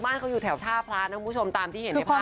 เขาอยู่แถวท่าพระนะคุณผู้ชมตามที่เห็นในภาพ